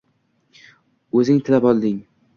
O'zing tilab olding.